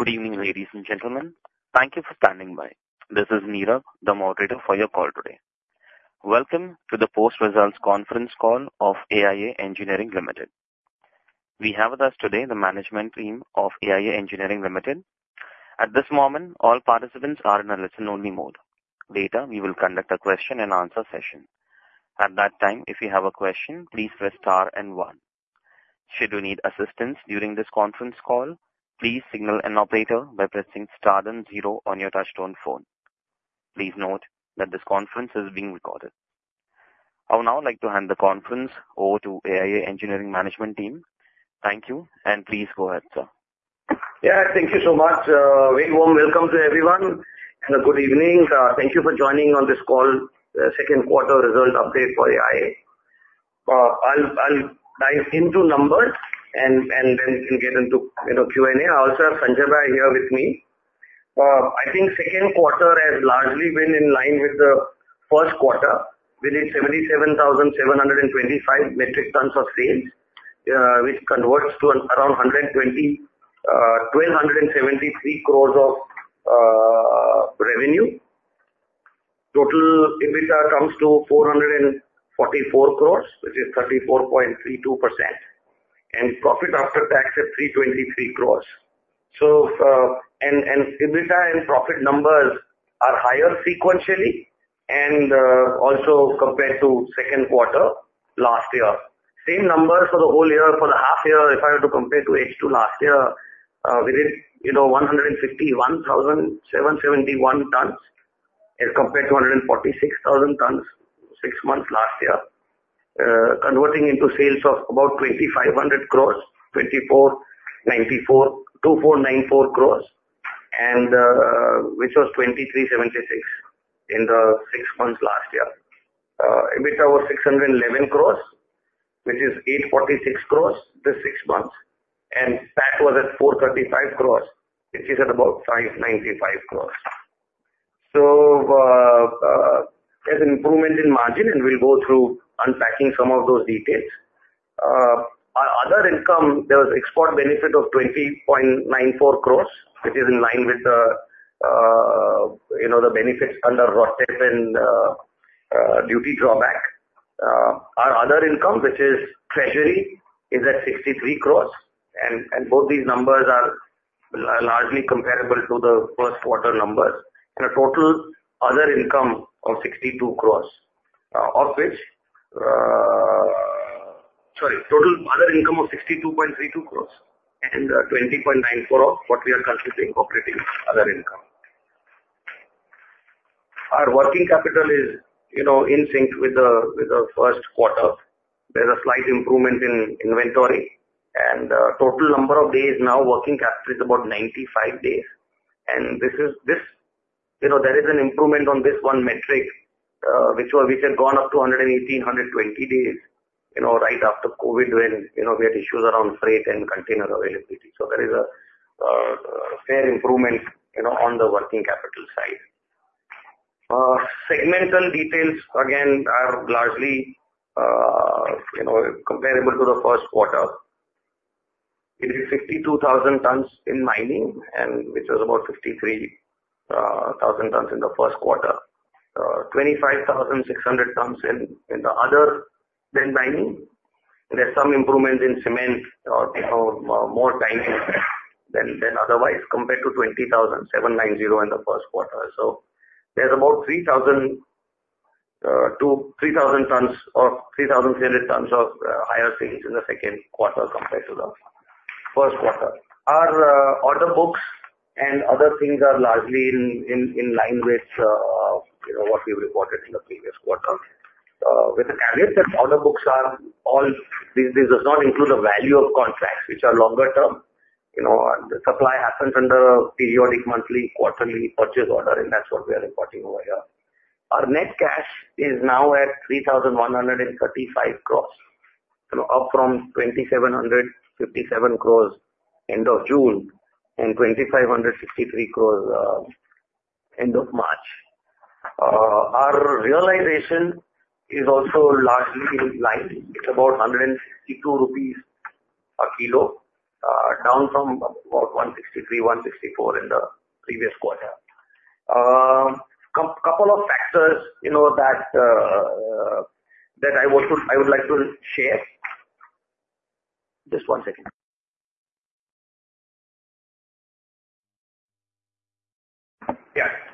Good evening, ladies and gentlemen. Thank you for standing by. This is Neera, the Moderator for your call today. Welcome to the Post Results Conference Call of AIA Engineering Limited. We have with us today the management team of AIA Engineering Limited. At this moment, all participants are in a listen-only mode. Later, we will conduct a question-and-answer session. At that time, if you have a question, please press star and one. Should you need assistance during this conference call, please signal an operator by pressing star then zero on your touchtone phone. Please note that this conference is being recorded. I would now like to hand the conference over to AIA Engineering management team. Thank you, and please go ahead, sir. Yeah, thank you so much. Very warm welcome to everyone, and a good evening. Thank you for joining on this call, the second quarter result update for AIA. I'll dive into numbers and then we can get into, you know, Q&A. Also, Sanjaybhai is here with me. I think second quarter has largely been in line with the first quarter. We did 77,725 metric tons of sales, which converts to around 1,273 crores of revenue. Total EBITDA comes to 444 crores, which is 34.32%, and profit after tax at 323 crores. EBITDA and profit numbers are higher sequentially and also compared to second quarter last year. Same numbers for the whole year, for the half year, if I were to compare to H2 last year, we did, you know, 151,771 tons, as compared to 146,000 tons, six months last year. Converting into sales of about 2,500 crore, 2,494 crore, and, which was 2,376 crore in the six months last year. EBITDA was 611 crore, which is 846 crore this six months, and tax was at 435 crore, which is at about 595 crore. So, there's an improvement in margin, and we'll go through unpacking some of those details. Our other income, there was export benefit of 20.94 crore, which is in line with the, you know, the benefits under RCEP and duty drawback. Our other income, which is treasury, is at 63 crore. And both these numbers are largely comparable to the first quarter numbers. And a total other income of 62 crore, of which... Sorry, total other income of 62.32 crore and 20.94 crore of what we are considering operating other income. Our working capital is, you know, in sync with the first quarter. There's a slight improvement in inventory, and the total number of days now, working capital is about 95 days. This is, this. You know, there is an improvement on this one metric, which was, which had gone up to 118-120 days, you know, right after COVID, when, you know, we had issues around freight and container availability. So there is a fair improvement, you know, on the working capital side. Segmental details, again, are largely, you know, comparable to the first quarter. It is 62,000 tons in mining and which was about 53,000 tons in the first quarter. 25,600 tons in the other than mining. There's some improvement in cement or, you know, more than otherwise, compared to 20,790 in the first quarter. So there's about 2,000-3,000 tons or 3,300 tons of higher sales in the second quarter compared to the first quarter. Our order books and other things are largely in line with, you know, what we reported in the previous quarter. With the caveat that order books are all. This does not include the value of contracts, which are longer term. You know, the supply happens under periodic, monthly, quarterly purchase order, and that's what we are reporting over here. Our net cash is now at 3,135 crores, you know, up from 2,757 crores end of June and 2,563 crores end of March. Our realization is also largely in line. It's about 162 rupees a kilo, down from about 163-164 in the previous quarter. Couple of factors, you know, that that I would, I would like to share. Just one second.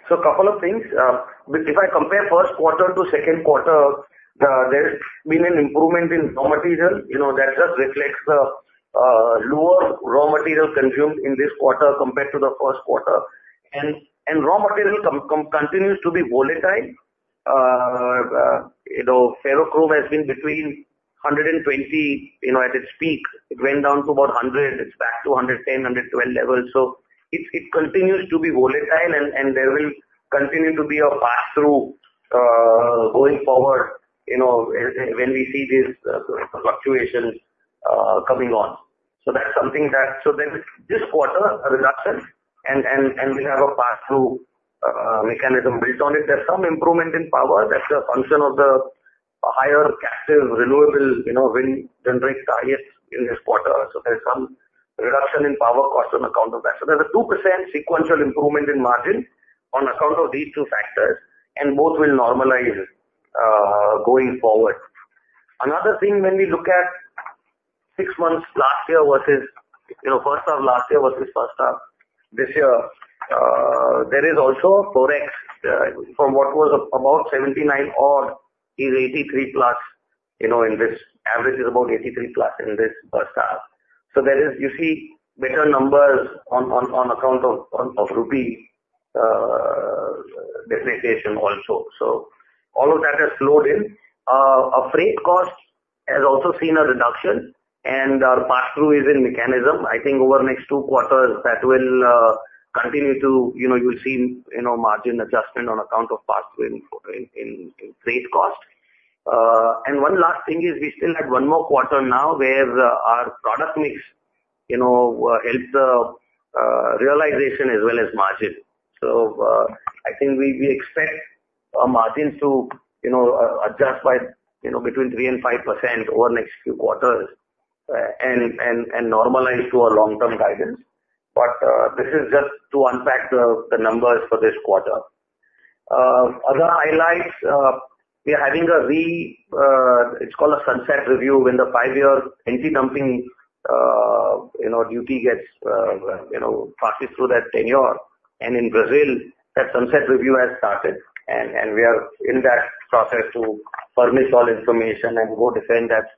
Yeah. So a couple of things. If I compare first quarter to second quarter, there's been an improvement in raw material, you know, that just reflects the lower raw material consumed in this quarter compared to the first quarter. And raw material continues to be volatile. You know, ferrochrome has been between 120, you know, at its peak. It went down to about 100, it's back to 110-112 levels. So it continues to be volatile and there will continue to be a pass-through going forward, you know, when we see these fluctuations coming on. So that's something that... So there's this quarter a reduction and we have a pass-through mechanism built on it. There's some improvement in power. That's a function of a higher captive renewable, you know, wind generation targets in this quarter. So there's some reduction in power costs on account of that. So there's a 2% sequential improvement in margin on account of these two factors, and both will normalize going forward. Another thing, when we look at six months last year versus, you know, first half last year versus first half this year, there is also Forex, from what was about 79 or 83+, you know, in this average is about 83+ in this first half. So there is, you see better numbers on account of rupee depreciation also. So all of that has flowed in. Our freight cost has also seen a reduction, and our pass-through mechanism. I think over the next two quarters, that will continue to, you know, you'll see, you know, margin adjustment on account of pass-through in freight costs. And one last thing is we still have one more quarter now where our product mix, you know, helps the realization as well as margin. So, I think we expect our margins to, you know, adjust by, you know, between 3% and 5% over the next few quarters, and normalize to our long-term guidance. But, this is just to unpack the numbers for this quarter. Other highlights, we are having, it's called a sunset review, when the five-year anti-dumping, you know, duty gets, you know, passes through that tenure. And in Brazil, that sunset review has started, and we are in that process to furnish all information and go defend that,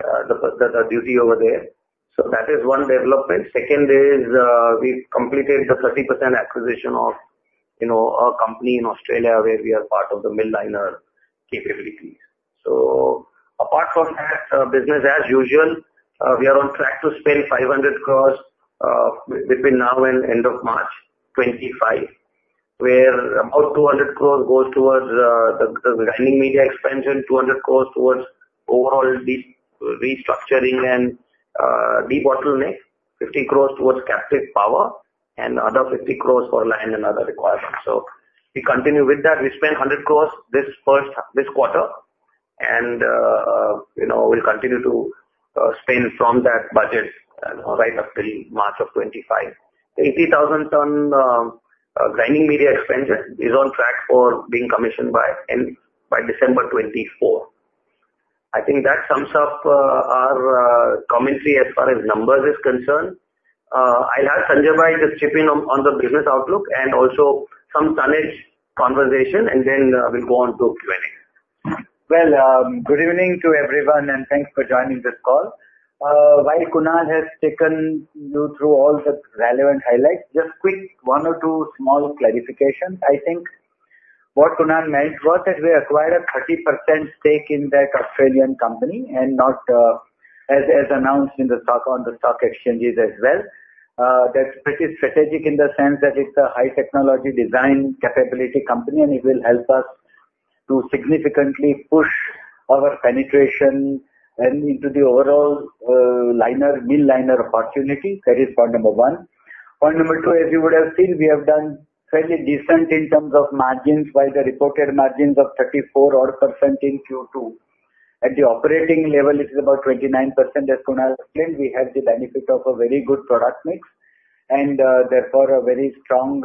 the duty over there. So that is one development. Second is, we completed the 30% acquisition of, you know, a company in Australia where we are part of the mill liner capability. So apart from that, business as usual, we are on track to spend 500 crore between now and end of March 2025, where about 200 crore goes towards the grinding media expansion, 200 crore towards overall debottlenecking, 50 crore towards captive power and another 50 crore for land and other requirements. So we continue with that. We spent 100 crore this first half, this quarter, and, you know, we'll continue to spend from that budget right up till March of 2025. The 80,000-ton grinding media expansion is on track for being commissioned by end, by December 2024. I think that sums up our commentary as far as numbers is concerned. I'll ask Sanjaybhai to chip in on the business outlook and also some tonnage conversation, and then we'll go on to Q&A. Well, good evening to everyone, and thanks for joining this call. While Kunal has taken you through all the relevant highlights, just quick one or two small clarifications. I think what Kunal meant was that we acquired a 30% stake in that Australian company and not, as announced in the stock, on the stock exchanges as well. That's pretty strategic in the sense that it's a high technology design capability company, and it will help us to significantly push our penetration and into the overall, liner, mill liner opportunity. That is point number one. Point number two, as you would have seen, we have done fairly decent in terms of margins, while the reported margins of 34-odd% in Q2. At the operating level, it is about 29%, as Kunal explained, we have the benefit of a very good product mix and, therefore, a very strong,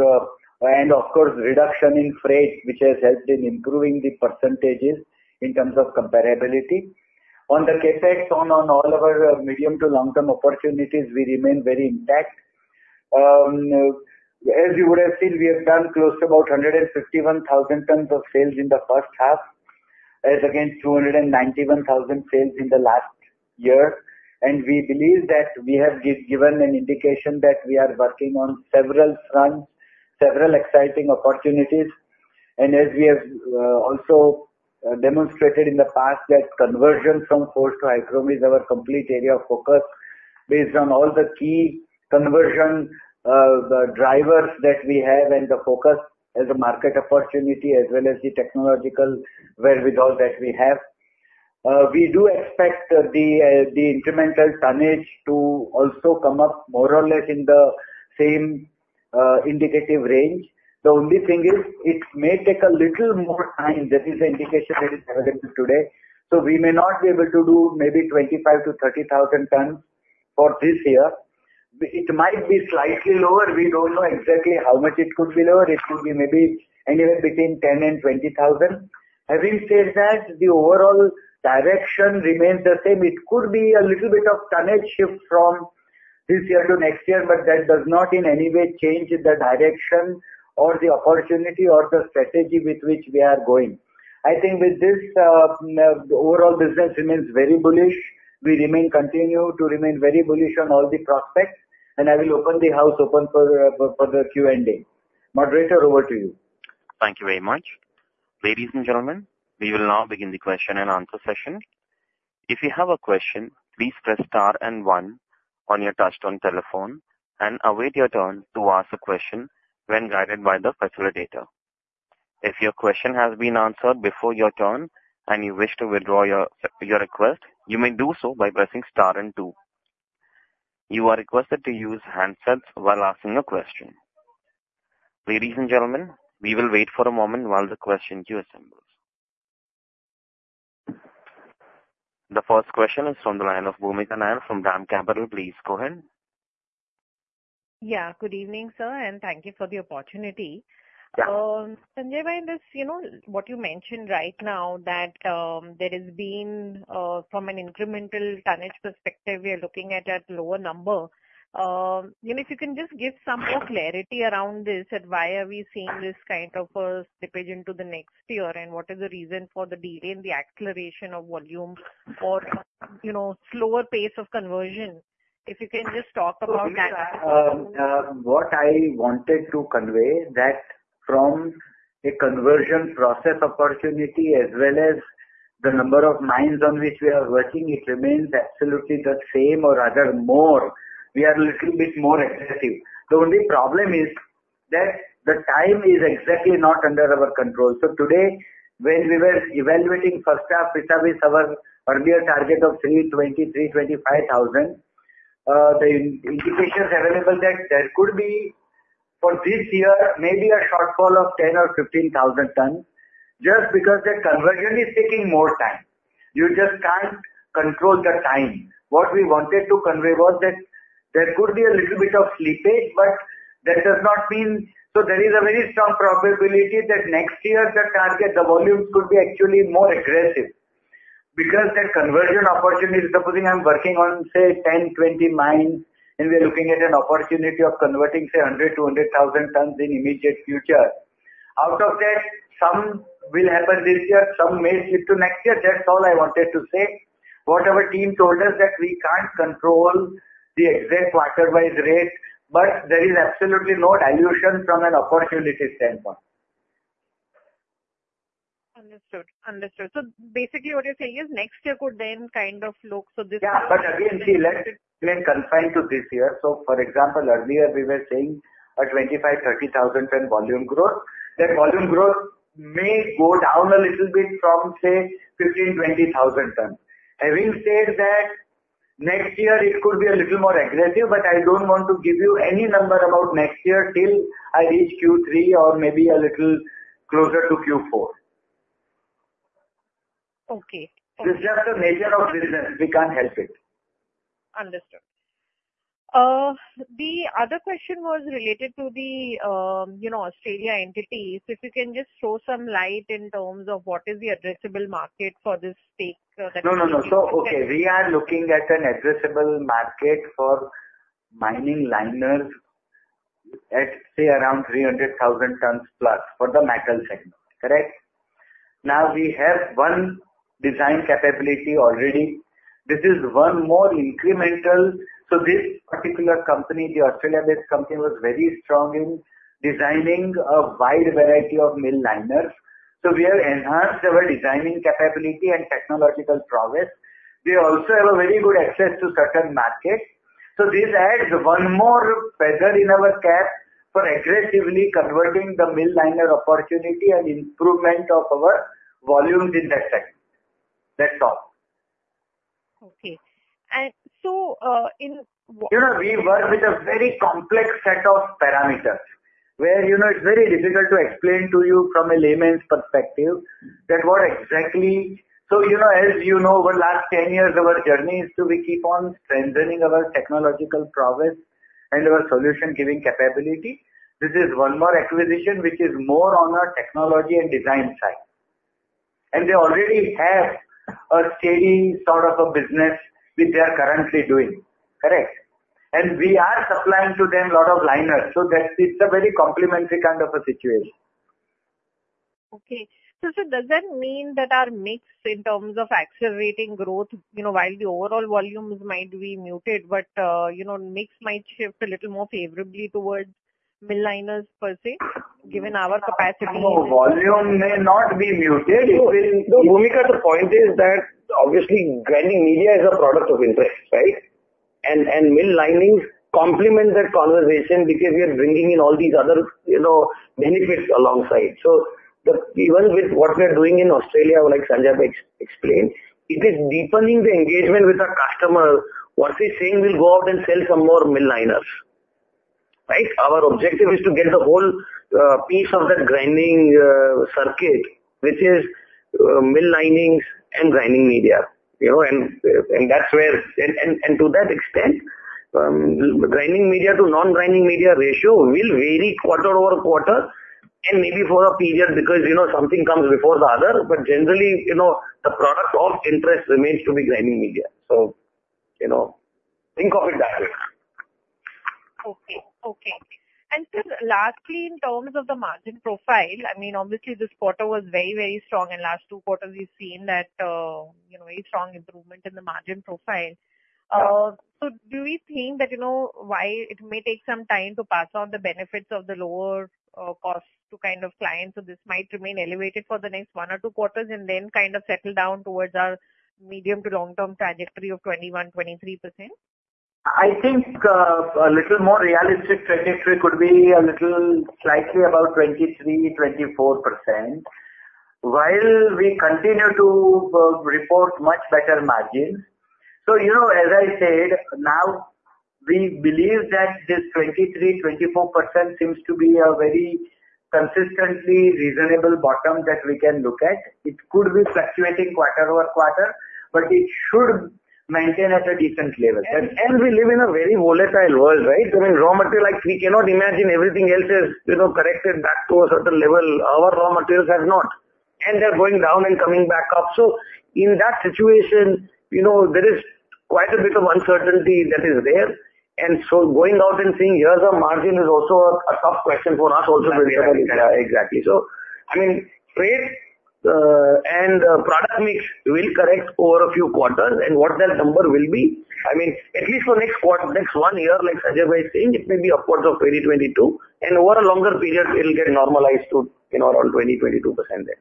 and of course, reduction in freight, which has helped in improving the percentages in terms of comparability. On the CapEx on, on all of our medium to long-term opportunities, we remain very intact. As you would have seen, we have done close to about 151,000 tons of sales in the first half, as against 291,000 sales in the last year. And we believe that we have given an indication that we are working on several fronts, several exciting opportunities. And as we have, also demonstrated in the past, that conversion from coke to high chrome is our complete area of focus. Based on all the key conversion drivers that we have and the focus as a market opportunity, as well as the technological wherewithal that we have. We do expect the incremental tonnage to also come up more or less in the same indicative range. The only thing is, it may take a little more time. That is the indication that is available today. So we may not be able to do maybe 25,000-30,000 tons for this year. It might be slightly lower. We don't know exactly how much it could be lower. It could be maybe anywhere between 10,000 and 20,000. Having said that, the overall direction remains the same. It could be a little bit of tonnage shift from this year to next year, but that does not in any way change the direction or the opportunity or the strategy with which we are going. I think with this, overall business remains very bullish. We remain continue to remain very bullish on all the prospects, and I will open the house open for, for, for the Q&A. Moderator, over to you. Thank you very much. Ladies, and gentlemen, we will now begin the question-and-answer session. If you have a question, please press star and one on your touchtone telephone and await your turn to ask a question when guided by the facilitator. If your question has been answered before your turn and you wish to withdraw your request, you may do so by pressing star and two. You are requested to use handsets while asking a question.... Ladies, and gentlemen, we will wait for a moment while the question queue assembles. The first question is from the line of Bhoomika Nair, from DAM Capital. Please go ahead. Yeah. Good evening, sir, and thank you for the opportunity. Yeah. Sanjaybhai, this, you know, what you mentioned right now, that, from an incremental tonnage perspective, we are looking at a lower number. You know, if you can just give some more clarity around this and why are we seeing this kind of a slippage into the next year, and what is the reason for the delay in the acceleration of volumes or, you know, slower pace of conversion? If you can just talk about that. What I wanted to convey that from a conversion process opportunity, as well as the number of mines on which we are working, it remains absolutely the same or rather more. We are little bit more aggressive. The only problem is that the time is exactly not under our control. So today, when we were evaluating first half, which is our earlier target of 320,000-325,000, the indications available that there could be for this year, maybe a shortfall of 10,000 or 15,000 tons, just because the conversion is taking more time. You just can't control the time. What we wanted to convey was that there could be a little bit of slippage, but that does not mean... So there is a very strong probability that next year, the target, the volumes could be actually more aggressive. Because the conversion opportunity, supposing I'm working on, say, 10, 20 mines, and we are looking at an opportunity of converting, say, 100,000-200,000 tons in immediate future. Out of that, some will happen this year, some may slip to next year. That's all I wanted to say. What our team told us that we can't control the exact quarter by rate, but there is absolutely no dilution from an opportunity standpoint. Understood. Understood. So basically, what you're saying is next year could then kind of look so this- Yeah, but again, see, let's remain confined to this year. So, for example, earlier we were saying a 25,000-30,000-ton volume growth, that volume growth may go down a little bit from, say, 15,000-20,000 tons. Having said that, next year it could be a little more aggressive, but I don't want to give you any number about next year till I reach Q3 or maybe a little closer to Q4. Okay. It's just the nature of business. We can't help it. Understood. The other question was related to the, you know, Australia entity. If you can just throw some light in terms of what is the addressable market for this stake? No, no, no. So, okay, we are looking at an addressable market for mill liners at, say, around 300,000+ tons for the metal segment. Correct? Now, we have one design capability already. This is one more incremental. So this particular company, the Australia-based company, was very strong in designing a wide variety of mill liners. So we have enhanced our designing capability and technological prowess. We also have a very good access to certain markets. So this adds one more feather in our cap for aggressively converting the mill liner opportunity and improvement of our volumes in that segment. That's all. Okay. And so, You know, we work with a very complex set of parameters, where, you know, it's very difficult to explain to you from a layman's perspective that what exactly... So, you know, as you know, over the last 10 years, our journey is to we keep on strengthening our technological prowess and our solution-giving capability. This is one more acquisition, which is more on our technology and design side. And they already have a steady sort of a business which they are currently doing. Correct? And we are supplying to them a lot of liners, so that it's a very complementary kind of a situation. Okay. So, so does that mean that our mix in terms of accelerating growth, you know, while the overall volumes might be muted, but, you know, mix might shift a little more favorably towards mill liners per se, given our capacity? No, volume may not be muted. Bhumika, the point is that obviously, grinding media is a product of interest, right? And, mill linings complement that conversation because we are bringing in all these other, you know, benefits alongside. So even with what we are doing in Australia, like Sanjaybhai explained, it is deepening the engagement with our customer, what he's saying, we'll go out and sell some more mill liners. Right? Our objective is to get the whole, piece of that grinding, circuit, which is, mill linings and grinding media. You know, and to that extent, grinding media to non-grinding media ratio will vary quarter-over-quarter, and maybe for a period, because, you know, something comes before the other. But generally, you know, the product of interest remains to be grinding media. So, you know, think of it that way. Okay. Okay. Sir, lastly, in terms of the margin profile, I mean, obviously this quarter was very, very strong, and last two quarters we've seen that, you know, very strong improvement in the margin profile. So do we think that, you know, why it may take some time to pass on the benefits of the lower cost to kind of clients, so this might remain elevated for the next one or two quarters, and then kind of settle down towards our medium to long term trajectory of 21%-23%? I think, a little more realistic trajectory could be a little slightly above 23%-24%.... While we continue to report much better margins. So, you know, as I said, now we believe that this 23%-24% seems to be a very consistently reasonable bottom that we can look at. It could be fluctuating quarter-over-quarter, but it should maintain at a decent level. And, and we live in a very volatile world, right? I mean, raw material, like, we cannot imagine everything else is, you know, corrected back to a certain level, our raw materials have not, and they're going down and coming back up. So in that situation, you know, there is quite a bit of uncertainty that is there. And so going out and saying, here's a margin, is also a, a tough question for us also Exactly. So I mean, trade and product mix will correct over a few quarters, and what that number will be, I mean, at least for next one year, like Sanjaybhai was saying, it may be upwards of 20%-22%, and over a longer period, it'll get normalized to, you know, around 20%-22% there. Okay.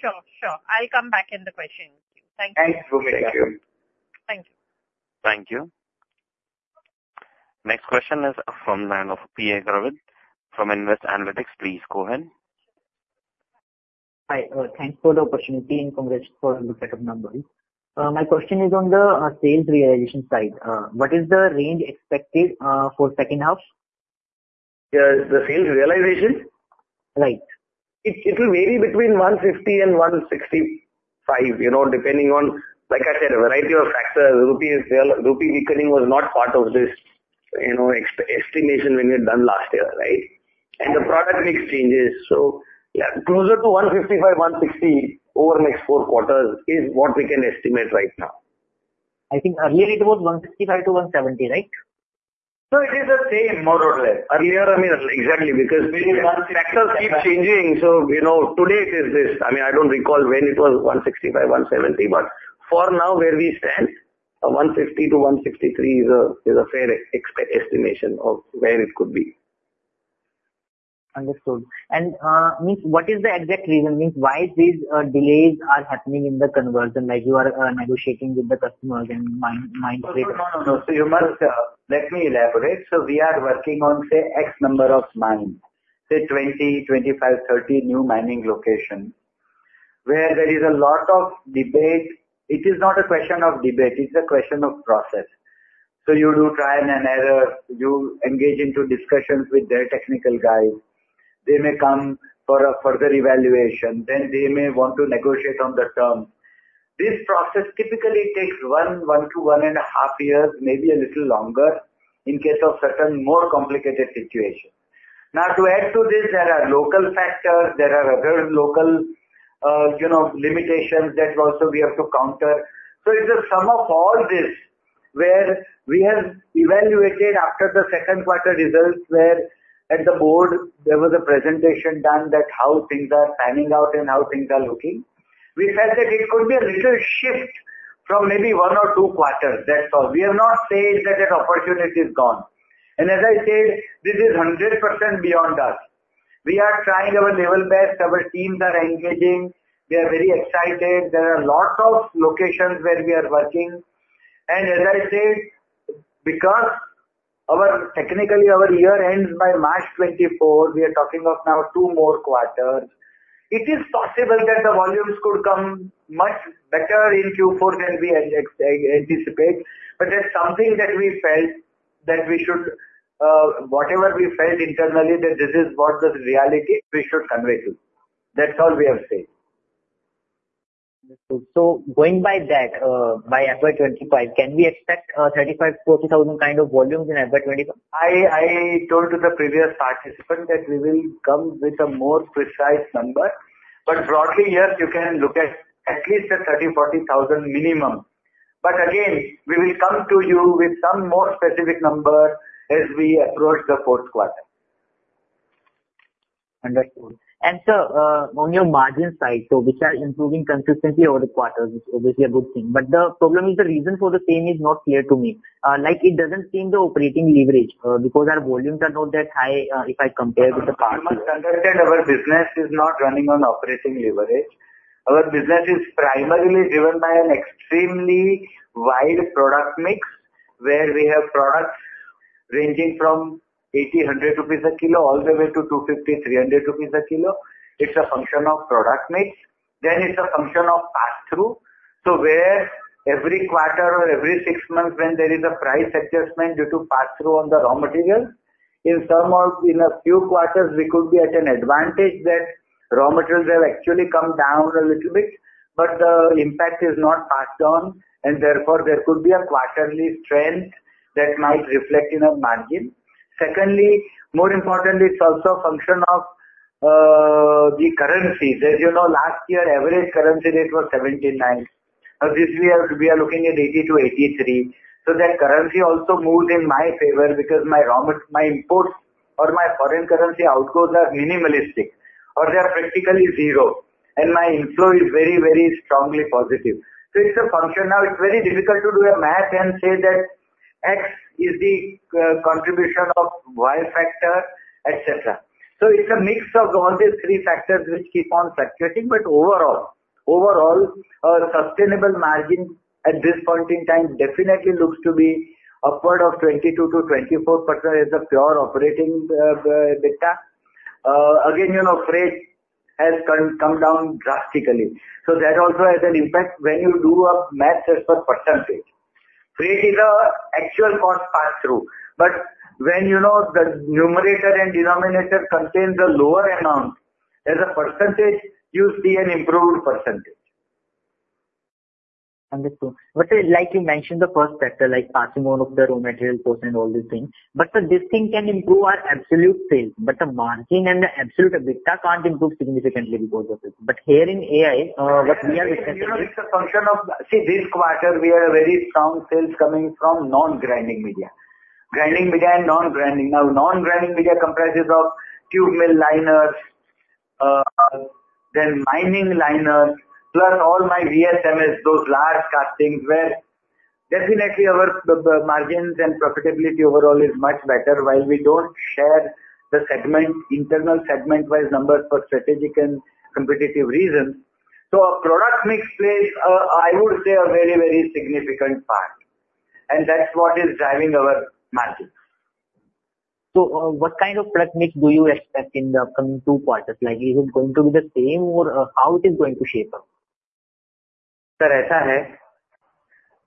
Sure. Sure. I'll come back in the question with you. Thank you. Thanks, Bhoomika. Thank you. Thank you. Next question is from the line of P.A. Gravit from Invest Analytics. Please go ahead. Hi, thanks for the opportunity and congrats for the set of numbers. My question is on the sales realization side. What is the range expected for second half? The sales realization? Right. It, it will vary between 150-165, you know, depending on, like I said, a variety of factors. Rupee is there. Rupee weakening was not part of this, you know, ex-estimation when we had done last year, right? The product mix changes. So yeah, closer to 155, 160 over the next four quarters is what we can estimate right now. I think earlier it was 165-170, right? So it is the same, more or less. Earlier, I mean, exactly, because factors keep changing. So, you know, today it is this. I mean, I don't recall when it was 165, 170, but for now, where we stand, 150-163 is a fair estimation of where it could be. Understood. And means what is the exact reason? Means why these delays are happening in the conversion, like you are negotiating with the customers and mining. No, no, no. So you must... Let me elaborate. So we are working on, say, X number of mines, say 20, 25, 30 new mining locations, where there is a lot of debate. It is not a question of debate, it's a question of process. So you do trial and error, you engage into discussions with their technical guys. They may come for a further evaluation, then they may want to negotiate on the terms. This process typically takes one to one and a half years, maybe a little longer, in case of certain more complicated situations. Now, to add to this, there are local factors, there are other local, you know, limitations that also we have to counter. So it's a sum of all this, where we have evaluated after the second quarter results, where at the board, there was a presentation done that how things are panning out and how things are looking. We felt that it could be a little shift from maybe one or two quarters, that's all. We have not said that the opportunity is gone. And as I said, this is 100% beyond us. We are trying our level best. Our teams are engaging. They are very excited. There are a lot of locations where we are working. And as I said, because our, technically our year ends by March 2024, we are talking of now two more quarters. It is possible that the volumes could come much better in Q4 than we anticipate, but there's something that we felt that we should, whatever we felt internally, that this is what the reality we should convey to you. That's all we have said. So going by that, by April 2025, can we expect 35,000-40,000 kind of volumes in April 2025? I, I told the previous participant that we will come with a more precise number, but broadly, yes, you can look at least 30,000-40,000 minimum. But again, we will come to you with some more specific number as we approach the fourth quarter. Understood. Sir, on your margin side, so which are improving consistency over the quarters, is obviously a good thing, but the problem is the reason for the same is not clear to me. Like, it doesn't seem the operating leverage, because our volumes are not that high, if I compare with the past. You must understand, our business is not running on operating leverage. Our business is primarily driven by an extremely wide product mix, where we have products ranging from 80-100 rupees a kilo, all the way to 250-300 rupees a kilo. It's a function of product mix, then it's a function of pass-through. So where every quarter or every six months, when there is a price adjustment due to pass-through on the raw materials, in some of, in a few quarters, we could be at an advantage that raw materials have actually come down a little bit, but the impact is not passed on, and therefore, there could be a quarterly trend that might reflect in our margin. Secondly, more importantly, it's also a function of the currency. As you know, last year, average currency rate was 79. Now, this year we are looking at 80-83. So that currency also moves in my favor because my raw – my imports or my foreign currency outflows are minimalistic or they are practically zero, and my inflow is very, very strongly positive. So it's a function. Now, it's very difficult to do a math and say that X is the contribution of Y factor, et cetera. So it's a mix of all these three factors which keep on fluctuating, but overall. Overall, our sustainable margin at this point in time definitely looks to be upward of 22%-24% is the pure operating data. Again, you know, freight has come down drastically, so that also has an impact when you do a math as per percentage. Freight is an actual cost pass-through, but when you know the numerator and denominator contains a lower amount as a percentage, you see an improved percentage. Understood. But like you mentioned, the first factor, like passing on of the raw material cost and all these things, but this thing can improve our absolute sales, but the margin and the absolute EBITDA can't improve significantly because of it. But here in AIA, what we are discussing- It's a function of. See, this quarter we had a very strong sales coming from non-grinding media. Grinding media and non-grinding. Now, non-grinding media comprises of tube mill liners, then mining liners, plus all my VSMs, those large castings, where definitely our margins and profitability overall is much better, while we don't share the segment, internal segment wise numbers for strategic and competitive reasons. So our product mix plays a, I would say, a very, very significant part, and that's what is driving our margins. So, what kind of product mix do you expect in the upcoming two quarters? Like, is it going to be the same, or, how it is going to shape up? Sir,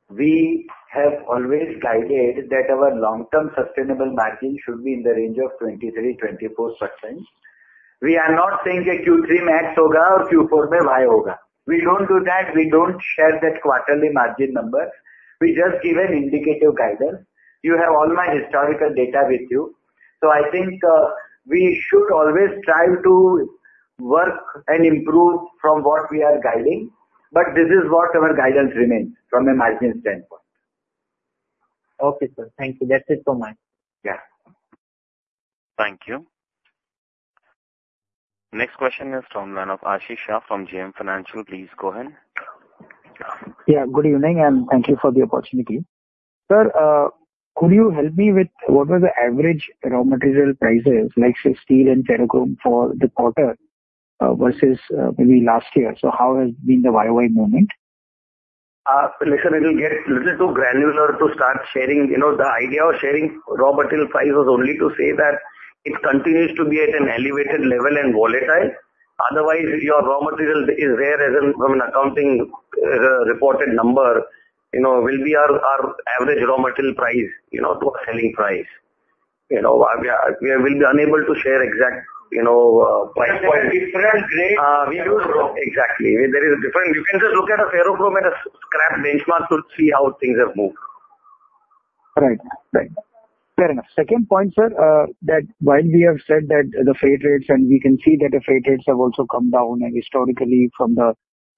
we have always guided that our long-term sustainable margin should be in the range of 23%-24%. We are not saying that Q3 or Q4. We don't do that. We don't share that quarterly margin number. We just give an indicative guidance. You have all my historical data with you, so I think, we should always strive to work and improve from what we are guiding. But this is what our guidance remains from a margin standpoint. Okay, sir. Thank you. That's it from me. Yeah. Thank you. Next question is from the line of Ashish Shah from JM Financial. Please go ahead. Yeah, good evening, and thank you for the opportunity. Sir, could you help me with what were the average raw material prices, like steel and Ferrochrome for the quarter, versus, maybe last year? So how has been the YoY movement? Listen, it'll get little too granular to start sharing. You know, the idea of sharing raw material price was only to say that it continues to be at an elevated level and volatile. Otherwise, your raw material is there as an, from an accounting, reported number, you know, will be our, our average raw material price, you know, to a selling price. You know, we are, we will be unable to share exact, you know, price point. Different grade. Exactly. There is a different. You can just look at a ferrochrome and a scrap benchmark to see how things have moved. Right. Right. Fair enough. Second point, sir, that while we have said that the freight rates, and we can see that the freight rates have also come down and historically from the,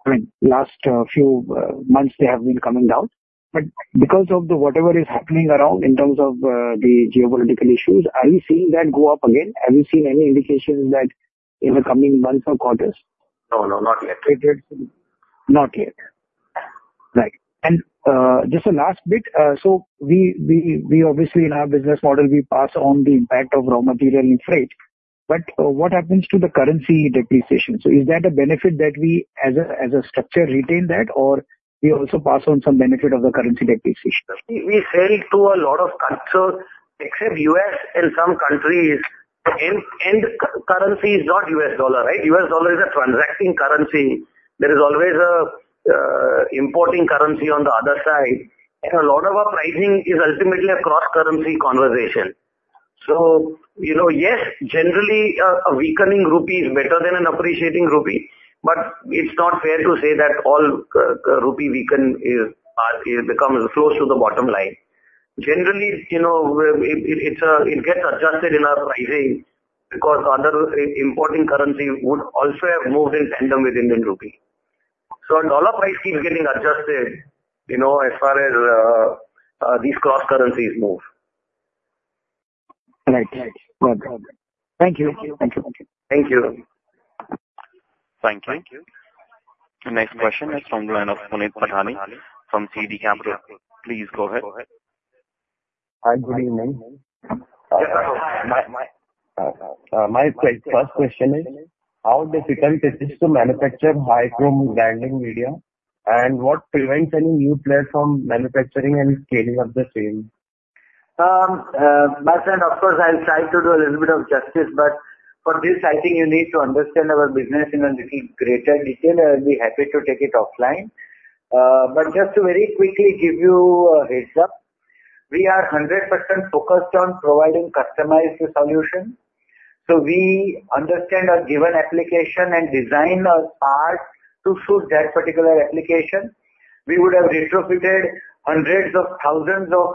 I mean, last, few, months, they have been coming down. But because of the whatever is happening around in terms of, the geopolitical issues, are you seeing that go up again? Have you seen any indications that in the coming months or quarters? No, no, not yet. Freight rates? Not yet. Right. And, just a last bit, so we obviously in our business model, we pass on the impact of raw material and freight, but, what happens to the currency depreciation? So is that a benefit that we, as a, as a structure, retain that or we also pass on some benefit of the currency depreciation? We sell to a lot of countries, except U.S. and some countries, the end currency is not U.S. dollar, right? U.S. dollar is a transacting currency. There is always a importing currency on the other side, and a lot of our pricing is ultimately a cross-currency conversation. So, you know, yes, generally, a weakening rupee is better than an appreciating rupee, but it's not fair to say that all rupee weaken is, are, become, flows to the bottom line. Generally, you know, it gets adjusted in our pricing because other importing currency would also have moved in tandem with Indian rupee. So dollar price keeps getting adjusted, you know, as far as these cross currencies move. Right. Right. Okay. Thank you. Thank you. Thank you. The next question is from the line of Puneet Patani from CD Capital. Please go ahead. Hi, good evening. Yeah. My, my first question is: How difficult it is to manufacture high-chrome grinding media, and what prevents any new player from manufacturing and scaling up the same? My friend, of course, I'll try to do a little bit of justice, but for this, I think you need to understand our business in a little greater detail. I'll be happy to take it offline. But just to very quickly give you a heads up, we are 100% focused on providing customized solutions. So we understand a given application and design a part to suit that particular application. We would have retrofitted hundreds of thousands of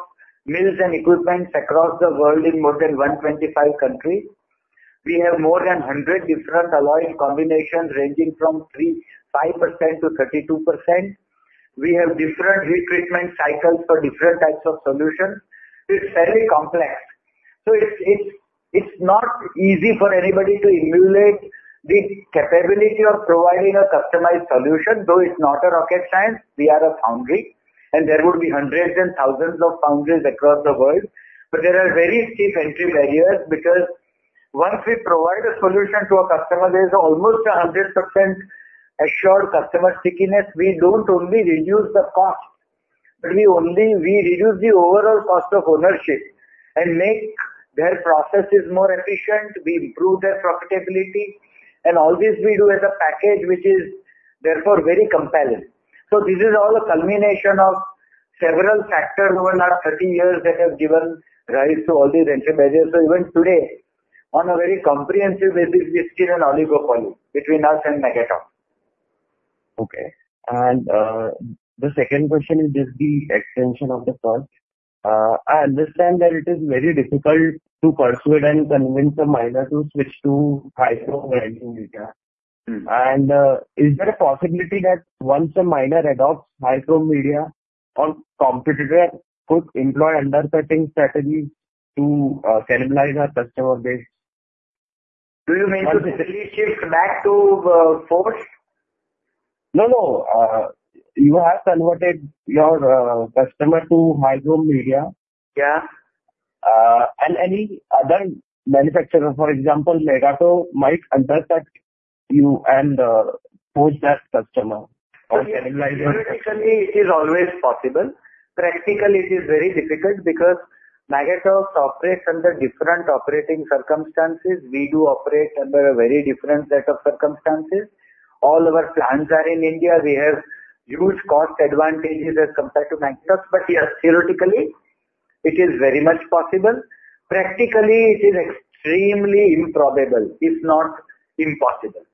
mills and equipments across the world in more than 125 countries. We have more than 100 different alloy combinations, ranging from 3.5%-32%. We have different heat treatment cycles for different types of solutions. It's very complex. So it's, it's, it's not easy for anybody to emulate the capability of providing a customized solution, though it's not a rocket science. We are a foundry, and there would be hundreds and thousands of foundries across the world, but there are very steep entry barriers because once we provide a solution to a customer, there is almost 100% assured customer stickiness. We don't only reduce the cost, we reduce the overall cost of ownership and make their processes more efficient, we improve their profitability, and all this we do as a package, which is therefore very compelling. So this is all a culmination of several factors over the last 30 years that have given rise to all these entry barriers. So even today, on a very comprehensive basis, we're still an oligopoly between us and Magotteaux. Okay. And, the second question is just the extension of the first. I understand that it is very difficult to persuade and convince a miner to switch to high-performance media. Mm-hmm. Is there a possibility that once a miner adopts high-chrome media from competitor, could employ undercutting strategy to cannibalize our customer base? Do you mean to say they shift back to forge? No, no. You have converted your customer to micro media. Yeah. Any other manufacturer, for example, Magotteaux, might undercut you and lose that customer or cannibalize- Theoretically, it is always possible. Practically, it is very difficult because Magotteaux operates under different operating circumstances. We do operate under a very different set of circumstances. All our plants are in India. We have huge cost advantages as compared to Magotteaux. But yes, theoretically, it is very much possible. Practically, it is extremely improbable, if not impossible.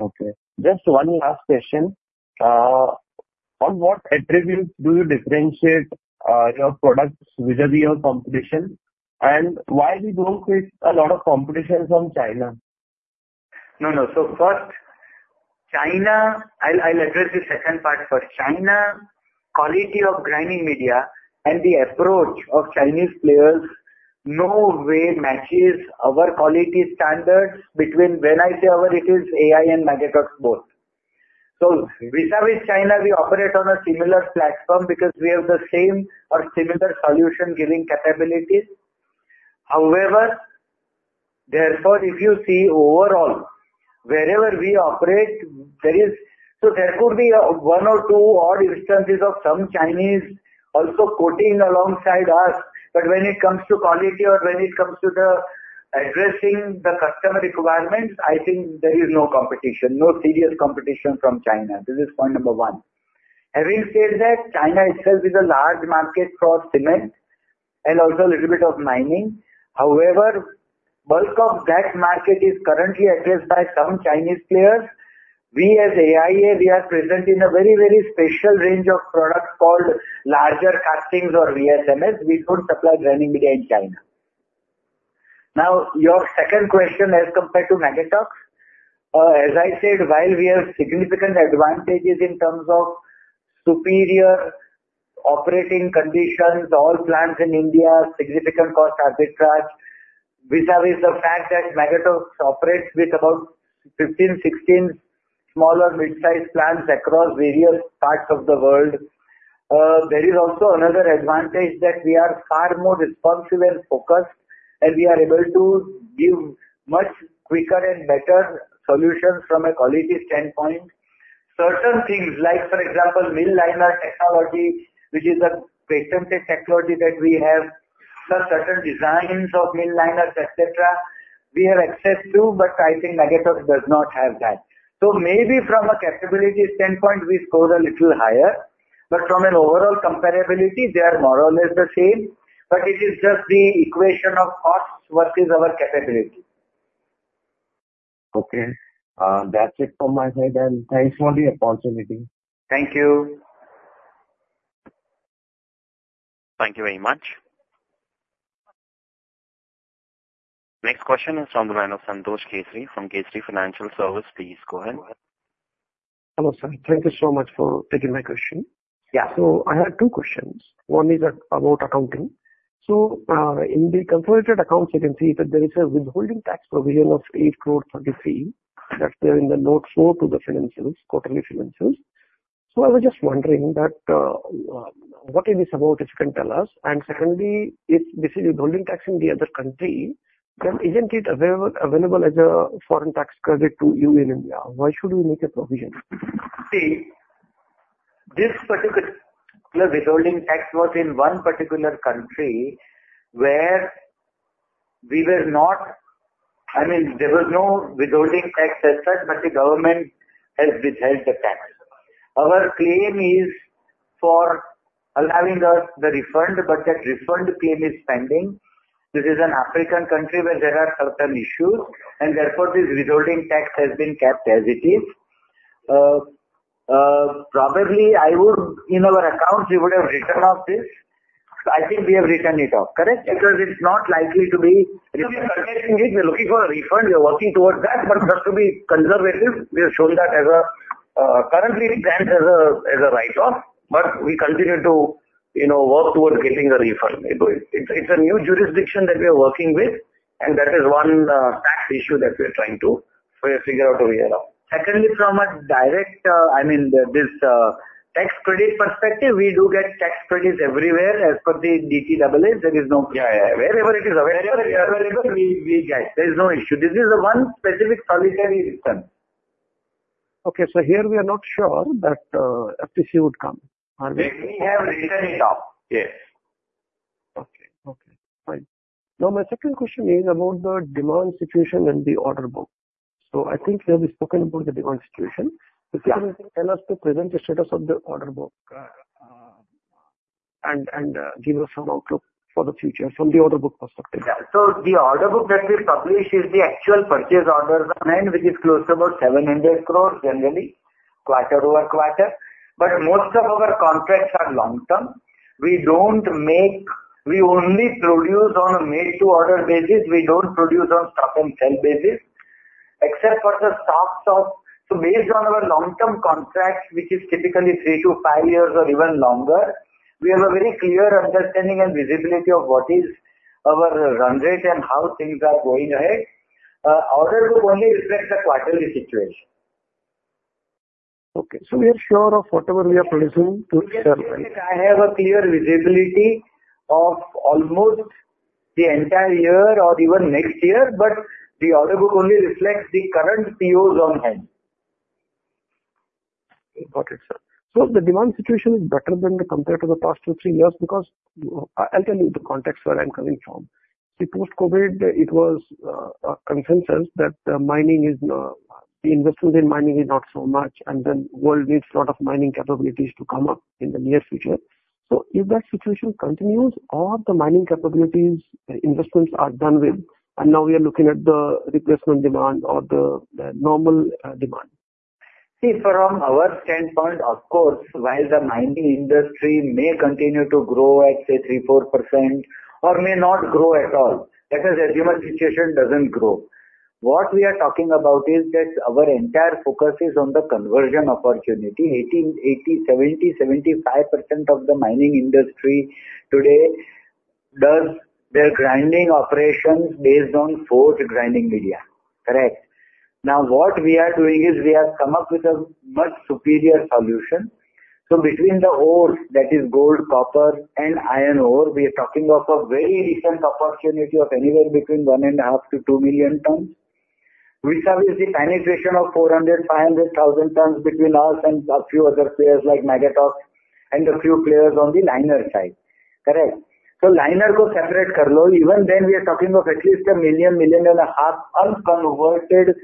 Okay, just one last question. On what attributes do you differentiate your products vis-à-vis your competition, and why we don't face a lot of competitions from China? No, no. So first, China... I'll, I'll address the second part first. China, quality of grinding media and the approach of Chinese players, no way matches our quality standards between when I say our, it is AIA and Magotteaux both. So vis-à-vis China, we operate on a similar platform because we have the same or similar solution-giving capabilities. However, therefore, if you see overall, wherever we operate, there is, so there could be one or two odd instances of some Chinese also quoting alongside us, but when it comes to quality or when it comes to the addressing the customer requirements, I think there is no competition, no serious competition from China. This is point number one. Having said that, China itself is a large market for cement and also a little bit of mining. However, bulk of that market is currently addressed by some Chinese players. We, as AIA, we are present in a very, very special range of products called larger castings or VSMs. We don't supply grinding media in China. Now, your second question as compared to Magotteaux, as I said, while we have significant advantages in terms of superior operating conditions, all plants in India, significant cost arbitrage, vis-à-vis the fact that Magotteaux operates with about 15, 16 small or mid-sized plants across various parts of the world. There is also another advantage that we are far more responsive and focused, and we are able to give much quicker and better solutions from a quality standpoint. Certain things, like, for example, mill liner technology, which is a patented technology that we have, some certain designs of mill liners, et cetera, we have access to, but I think Magotteaux does not have that. So maybe from a capabilities standpoint, we score a little higher, but from an overall comparability, they are more or less the same, but it is just the equation of cost versus our capability. Okay. That's it from my side, and thanks for the opportunity. Thank you. Thank you very much. Next question is on the line of Santosh Keshri from Keshri Financial Services. Please go ahead. Hello, sir. Thank you so much for taking my question. Yeah. So I have two questions. One is about accounting. So, in the consolidated accounts, you can see that there is a withholding tax provision of 8.33 crore, that's there in the Note 4 to the financials, quarterly financials. So I was just wondering that, what it is about, if you can tell us? And secondly, if this is a withholding tax in the other country, then isn't it available as a foreign tax credit to you in India? Why should we make a provision? See, this particular withholding tax was in one particular country where we were not—I mean, there was no withholding tax as such, but the government has withheld the tax. Our claim is for allowing us the refund, but that refund claim is pending. This is an African country where there are certain issues, and therefore this withholding tax has been kept as it is. Probably, I would... In our accounts, we would have written off this. I think we have written it off. Correct? Because it's not likely to be—We're looking for a refund, we are working towards that, but just to be conservative, we have shown that as a write-off, but we continue to, you know, work towards getting a refund. It's a new jurisdiction that we are working with, and that is one tax issue that we are trying to... we'll figure out over here now. Secondly, from a direct, I mean, this tax credit perspective, we do get tax credits everywhere as per the DTAA, there is no- Yeah, yeah. Wherever it is available, wherever we get. There is no issue. This is the one specific subsidiary return. Okay. So here we are not sure that FTC would come. We have written it off. Yes. Okay. Okay, fine. Now, my second question is about the demand situation and the order book. So I think we have spoken about the demand situation. Yeah. If you can tell us the present status of the order book, and give us some outlook for the future from the order book perspective? Yeah. So the order book that we publish is the actual purchase orders on hand, which is close to about 700 crore generally, quarter-over-quarter. But most of our contracts are long-term. We don't make... We only produce on a made to order basis. We don't produce on stock and sell basis, except for the stock stock. So based on our long-term contract, which is typically three to five years or even longer, we have a very clear understanding and visibility of what is our run rate and how things are going ahead. Order book only reflects the quarterly situation. Okay, so we are sure of whatever we are producing to sell? I have a clear visibility of almost the entire year or even next year, but the order book only reflects the current POs on hand. Got it, sir. So the demand situation is better than compared to the past two to three years, because I'll tell you the context where I'm coming from. The post-COVID, it was a consensus that the mining is the investors in mining is not so much, and then world needs lot of mining capabilities to come up in the near future. So if that situation continues or the mining capabilities, investments are done with, and now we are looking at the replacement demand or the, the normal demand. See, from our standpoint, of course, while the mining industry may continue to grow at, say, 3%-4% or may not grow at all, let us assume a situation doesn't grow. What we are talking about is that our entire focus is on the conversion opportunity. 80%-85%, 70%-75% of the mining industry today does their grinding operations based on forged grinding media. Correct? Now, what we are doing is we have come up with a much superior solution. So between the ores, that is gold, copper, and iron ore, we are talking of a very recent opportunity of anywhere between 1.5 million-2 million tons, which have the penetration of 400,000-500,000 tons between us and a few other players like Magotteaux and a few players on the liner side. Correct? So liners go separate, even then, we are talking of at least 1 million-1.5 million unconverted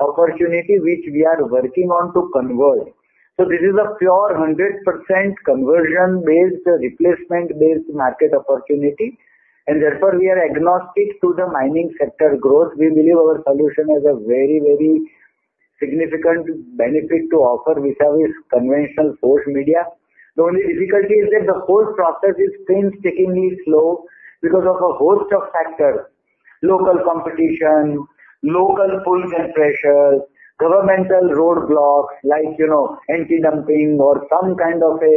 opportunity, which we are working on to convert. So this is a pure 100% conversion-based, replacement-based market opportunity, and therefore, we are agnostic to the mining sector growth. We believe our solution has a very, very significant benefit to offer vis-a-vis conventional forged media. The only difficulty is that the whole process is painstakingly slow because of a host of factors: local competition, local pulls and pressures, governmental roadblocks, like, you know, anti-dumping or some kind of a,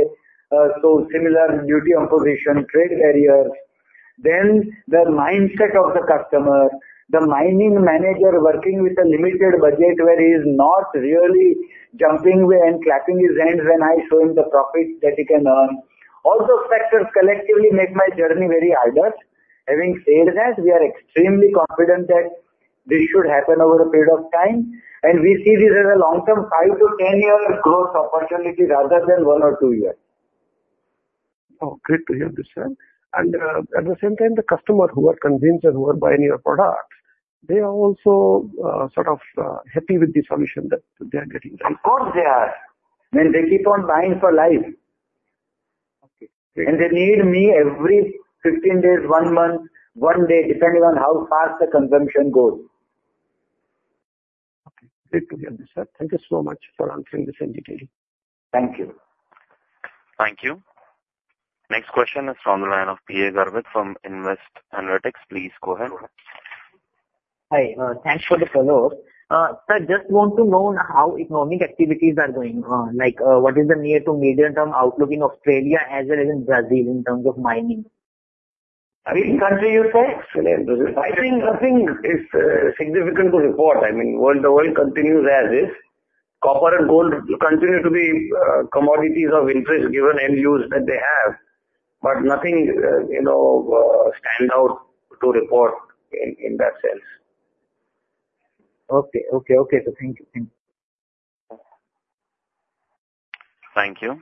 so similar duty opposition, trade barriers. Then the mindset of the customer, the mining manager working with a limited budget, where he is not really jumping and clapping his hands when I show him the profit that he can earn. All those factors collectively make my journey very harder. Having said that, we are extremely confident that this should happen over a period of time, and we see this as a long-term, five to 10 year growth opportunity rather than one or two years. Oh, great to hear this, sir. And, at the same time, the customers who are convinced and who are buying your products, they are also, sort of, happy with the solution that they are getting? Of course they are! When they keep on buying for life. Okay. They need me every 15 days, one month, one day, depending on how fast the consumption goes. Okay, great to hear this, sir. Thank you so much for answering this in detail. Thank you. Thank you. Next question is from the line of PA Gravit from Invest Analytics. Please go ahead. Hi, thanks for the follow-up. Sir, just want to know how economic activities are going on, like, what is the near to medium-term outlook in Australia as well as in Brazil in terms of mining? Which country you say? Australia and Brazil. I think nothing is significant to report. I mean, the world continues as is. Copper and gold continue to be commodities of interest, given end use that they have, but nothing you know stand out to report in that sense. Okay, okay. Okay, sir. Thank you. Thank you. Thank you.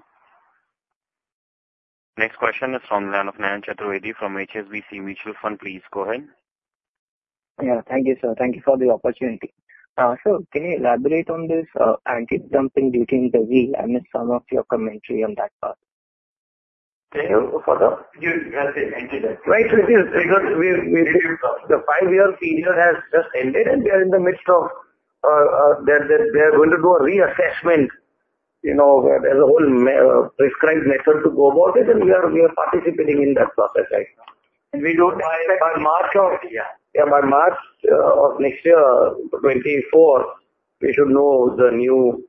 Next question is from the line of Mayank Chaturvedi from HSBC Mutual Fund. Please go ahead. Yeah, thank you, sir. Thank you for the opportunity. Sir, can you elaborate on this anti-dumping duty in Brazil? I missed some of your commentary on that part. Can you for the- You have the anti-dumping. Right, so this is because we, the five-year period has just ended, and we are in the midst of, they are going to do a reassessment, you know, there's a whole prescribed method to go about it, and we are participating in that process right now. We do it by March of... Yeah, by March of next year, 2024, we should know the new- ...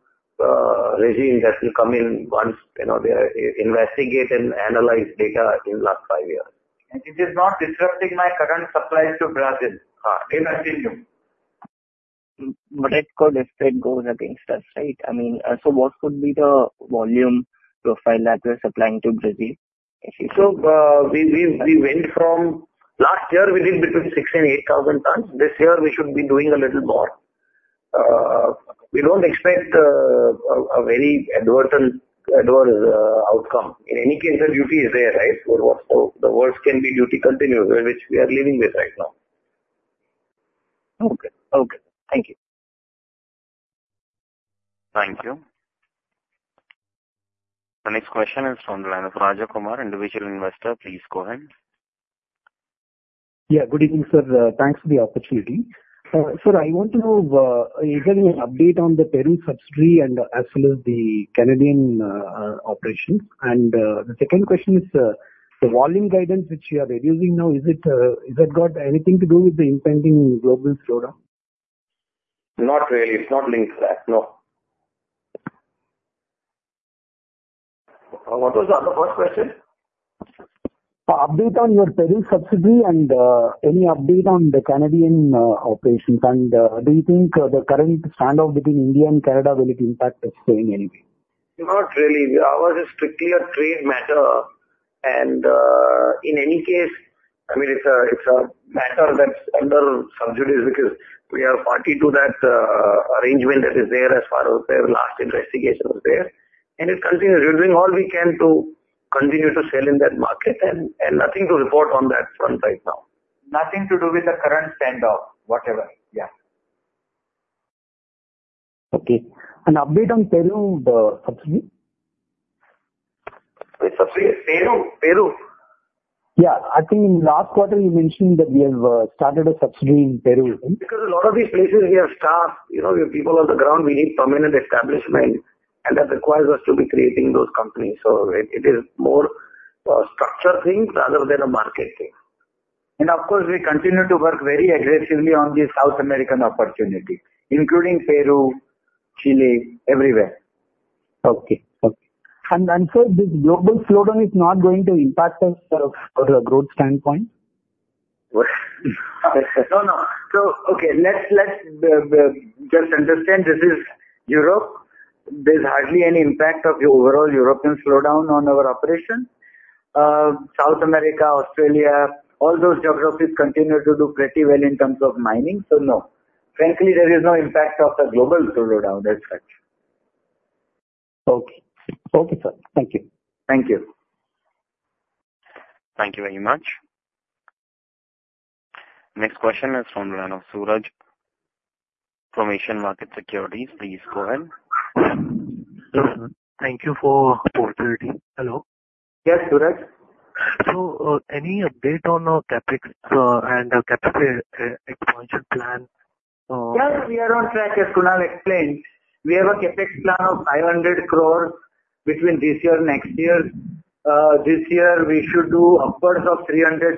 regime that will come in once, you know, they investigate and analyze data in last five years. It is not disrupting my current supplies to Brazil. Uh. They continue. But it could, if it goes against us, right? I mean, so what could be the volume profile that we're supplying to Brazil? So, we went from last year, we did between 6,000 and 8,000 tons. This year, we should be doing a little more. We don't expect a very adverse outcome. In any case, the duty is there, right? So the worst can be duty continuous, which we are living with right now. Okay. Okay. Thank you. Thank you. Our next question is from the line of Raja Kumar, Individual Investor. Please go ahead. Yeah, good evening, sir. Thanks for the opportunity. Sir, I want to know if you can give an update on the Peru subsidy and as well as the Canadian operations. The second question is, the volume guidance which you are revealing now, is it has it got anything to do with the impending global slowdown? Not really. It's not linked to that, no. What was the first question? Update on your Peru subsidiary and any update on the Canadian operations. And do you think the current standoff between India and Canada will impact us in any way? Not really. Ours is strictly a trade matter, and, in any case, I mean, it's a matter that's under subsidies, because we are party to that, arrangement that is there as far as their last investigation was there. It continues. We're doing all we can to continue to sell in that market, and nothing to report on that front right now. Nothing to do with the current standoff, whatever. Yeah. Okay. An update on Peru, the subsidy? The subsidiary, Peru, Peru. Yeah. I think last quarter you mentioned that we have started a subsidiary in Peru. Because a lot of these places, we have staff, you know, we have people on the ground. We need permanent establishment, and that requires us to be creating those companies. So it is more, structure thing rather than a market thing. Of course, we continue to work very aggressively on the South American opportunity, including Peru, Chile, everywhere. Okay. Okay. And also, this global slowdown is not going to impact us from a growth standpoint? No, no. So, okay, let's just understand, this is Europe. There's hardly any impact of the overall European slowdown on our operation. South America, Australia, all those geographies continue to do pretty well in terms of mining. So no. Frankly, there is no impact of the global slowdown. That's right. Okay. Okay, sir. Thank you. Thank you. Thank you very much. Next question is from the line of Suraj from Asian Markets Securities. Please go ahead. Thank you for opportunity. Hello? Yes, Suraj. So, any update on our CapEx, and our CapEx, expansion plan? Yeah, we are on track, as Kunal explained. We have a CapEx plan of 500 crore between this year, next year. This year, we should do upwards of 300+.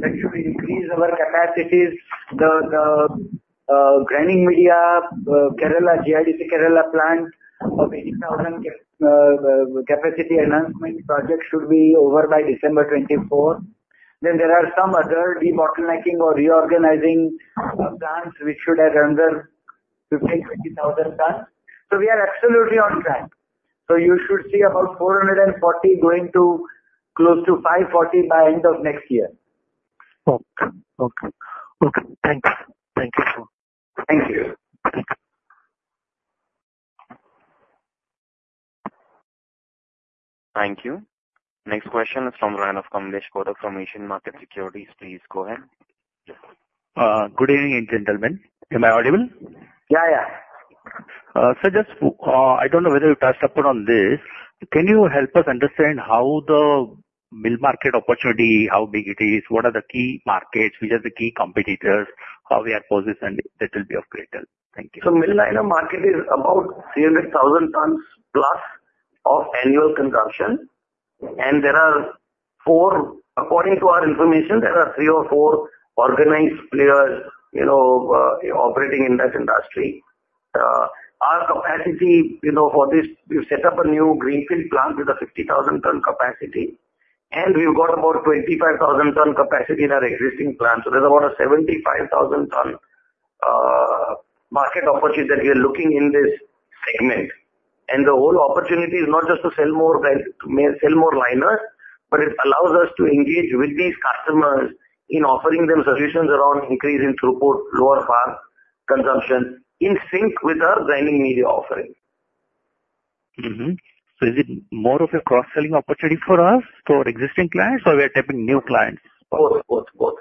That should increase our capacities. The grinding media Kerala GIDC Kerala plant of 80,000 capacity enhancement project should be over by December 2024. Then there are some other debottlenecking or reorganizing of plants which should add another 15,000-20,000 tons. So we are absolutely on track. So you should see about 440 going to close to 540 by end of next year. Okay. Okay. Okay, thanks. Thank you, sir. Thank you. Thank you. Next question is from the line of Kamlesh Kotak from Asian Markets Securities. Please go ahead. Good evening, gentlemen. Am I audible? Yeah, yeah. So just, I don't know whether you touched upon this. Can you help us understand how the mill market opportunity, how big it is? What are the key markets? Who are the key competitors? How we are positioned? That will be of great help. Thank you. So mill liner market is about 300,000+ tons of annual consumption, and there are four... According to our information, there are three or four organized players, you know, operating in that industry. Our capacity, you know, for this, we've set up a new greenfield plant with a 50,000 ton capacity, and we've got about 25,000 ton capacity in our existing plant. So there's about a 75,000 ton market opportunity that we are looking in this segment. And the whole opportunity is not just to sell more than, to sell more liners, but it allows us to engage with these customers in offering them solutions around increasing throughput, lower power consumption, in sync with our grinding media offerings. Mm-hmm. So is it more of a cross-selling opportunity for us, for existing clients, or we are tapping new clients? Both, both, both.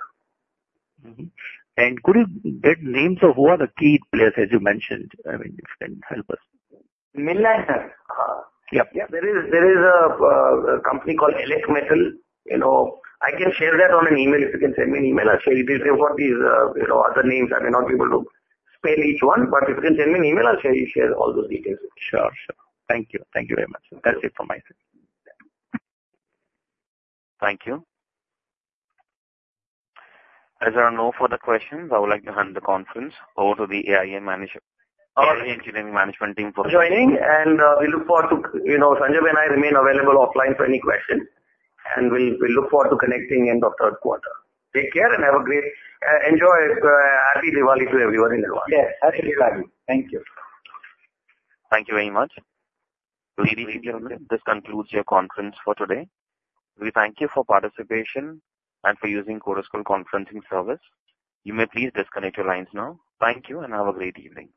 Mm-hmm. Could you get names of who are the key players, as you mentioned? I mean, if you can help us. Mill liner? Uh, yeah. Yeah. There is, there is a, a company called Elecmetal. You know, I can share that on an email. If you can send me an email, I'll share it with you. They've got these, you know, other names. I may not be able to spell each one, but if you can send me an email, I'll share, share all those details with you. Sure. Sure. Thank you. Thank you very much. That's it from my side. Thank you. As there are no further questions, I would like to hand the conference over to the AIA management- All right. AIA Engineering management team We look forward to... You know, Sanjaybhai and I remain available offline for any questions, and we'll look forward to connecting end of third quarter. Take care and have a great. Enjoy happy Diwali to everyone in advance. Yes, happy Diwali. Thank you. Thank you very much. This concludes your conference for today. We thank you for participation and for using Chorus Call conferencing service. You may please disconnect your lines now. Thank you, and have a great evening.